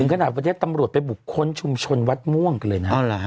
ถึงขนาดวันที่ทำรวจไปบุคคลชุมชนวัดม่วงเลยนะอ๋อหรอฮะ